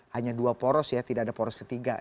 hanya dua poros ya tidak ada poros ketiga